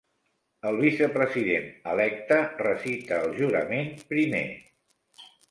El vicepresident electe recita el jurament primer.